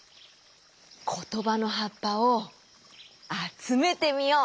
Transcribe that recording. ことばのはっぱをあつめてみよう！